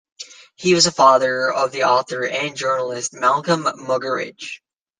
He was the father of the author and journalist Malcolm Muggeridge.